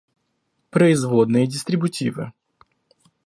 Производные дистрибутивы